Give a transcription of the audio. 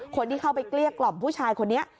คนที่เข้าไปเกลี้ยกล่อมผู้ชายคนนี้